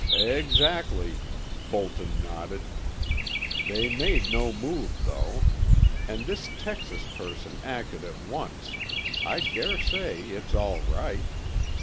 "Exactly," Bolton nodded. "They made no move, though. And this Texas person acted at once: I dare say it's all right.